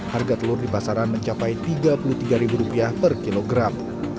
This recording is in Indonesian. harga telur di pasaran mencapai rp tiga puluh tiga per kilogram